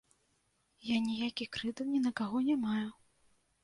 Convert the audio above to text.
Я ніякіх крыўдаў ні на каго не маю.